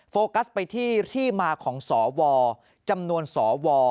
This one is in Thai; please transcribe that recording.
โฟกัสไปที่ที่มาของสวจำนวนสว